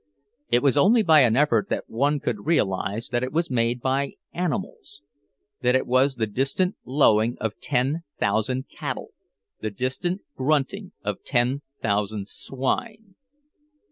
It was only by an effort that one could realize that it was made by animals, that it was the distant lowing of ten thousand cattle, the distant grunting of ten thousand swine.